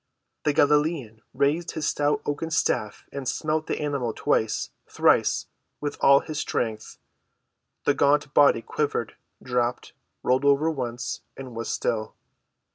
The Galilean raised his stout oaken staff and smote the animal twice—thrice with all his strength. The gaunt body quivered, dropped, rolled over once, and was still.